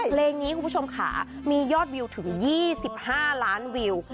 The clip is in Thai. เพลงนี้คุณผู้ชมค่ะมียอดวิวถึง๒๕ล้านวิว